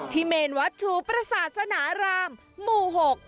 ที่เมนวัดถูปราศาสนารามหมู่หก